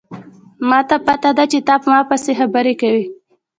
ما ته پته ده چې ته په ما پسې خبرې کوې